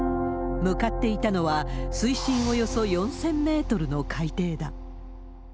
向かっていたのは、水深およそ４０００メートルの海底だ。